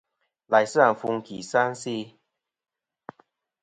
Laysɨ àfuŋ ki sɨ a se'i.